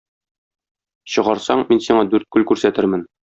Чыгарсаң, мин сиңа дүрт күл күрсәтермен.